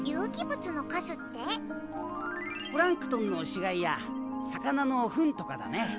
プランクトンの死骸や魚のフンとかだね。